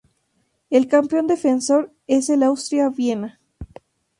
El campeón defensor es el Austria Viena.